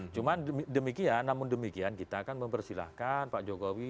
cuma demikian namun demikian kita akan mempersilahkan pak jokowi